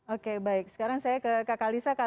oke baik sekarang saya ke kak kalisa kak